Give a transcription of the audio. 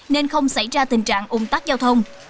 nên không xảy ra tình trạng ung tắc giao thông